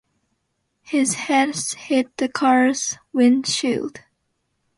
His head hit the car's windshield.